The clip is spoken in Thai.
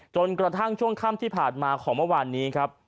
จนกระทั่งช่วงค่ำที่ผ่านมาของเมื่อวานนี้ครับ